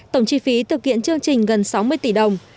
tổng chi phí thực hiện chương trình gần sáu mươi tỷ đồng